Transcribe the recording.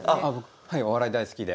はいお笑い大好きで。